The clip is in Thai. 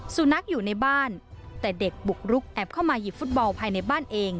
สุนัขอยู่ในบ้านแต่เด็กบุกรุกแอบเข้ามาหยิบฟุตบอลภายในบ้านเอง